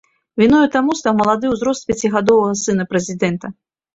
Віною таму стаў малады ўзрост пяцігадовага сына прэзідэнта.